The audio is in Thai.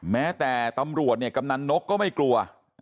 แม้แต่ตำรวจเนี่ยกำนันนกก็ไม่กลัว